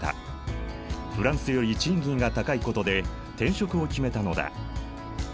フランスより賃金が高いことで転職を決めたのだ。